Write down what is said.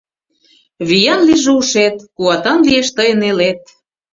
Виян лийже ушет Куатан лиеш тыйын элет.